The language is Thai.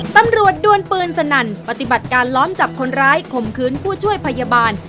ดวนปืนสนั่นปฏิบัติการล้อมจับคนร้ายข่มขืนผู้ช่วยพยาบาล